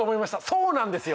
そうなんですよ。